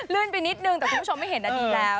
ไปนิดนึงแต่คุณผู้ชมไม่เห็นอันนี้แล้ว